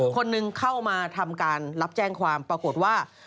คนหนึ่งเข้ามาทำการรับแจ้งความปรากฏว่า